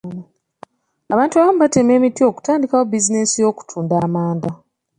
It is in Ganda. Abantu abamu batema emiti okutandikawo bizinensi y'okutunda amanda.